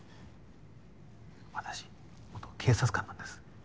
私元警察官なんです。